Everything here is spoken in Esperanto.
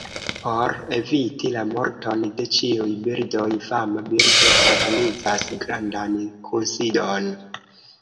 Por eviti la morton de ĉiuj birdoj, fama birdo organizas grandan kunsidon.